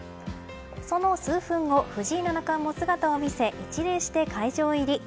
その数分後、藤井七冠も姿を見せ一礼して会場入り。